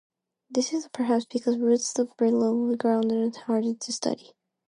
This is perhaps because roots are below the ground and thus harder to study.